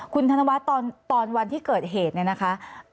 คุณธนวัตรตอนวันที่เกิดเหตุนั้นนะคะ